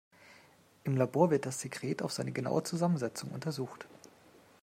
Im Labor wird das Sekret auf seine genaue Zusammensetzung untersucht.